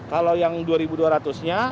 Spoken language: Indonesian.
kalau yang dua dua ratus nya